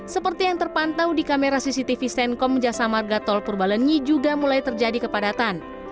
seperti yang terpantau di kamera cctv senkom jasa marga tol purbalenyi juga mulai terjadi kepadatan